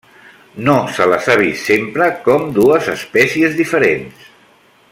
No se les ha vist sempre com dues espècies diferents.